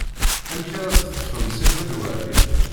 Amek ara d-teṭṭfem Si Ḥmed Waɛli?